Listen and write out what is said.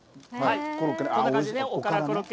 こんな感じね、おからコロッケ。